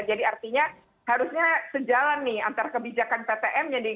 jadi artinya harusnya sejalan nih antara kebijakan ptm